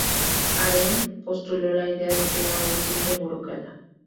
Arendt postuló la idea de que era un simple burócrata.